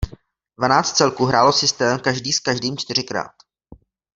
Dvanáct celků hrálo systémem každý s každým čtyřikrát.